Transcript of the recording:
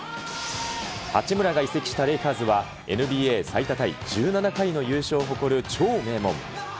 八村が移籍したレイカーズは、ＮＢＡ最多タイ１７回の優勝を誇る超名門。